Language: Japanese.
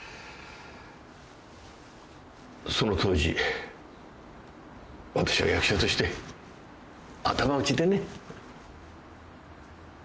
その当時私は役者として頭打ちでね。